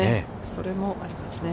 それもありますね。